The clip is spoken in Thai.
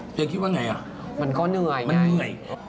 เธอคิดว่าอย่างไรอ่ะมันเหนื่อยอ๋อมันก็เหนื่อย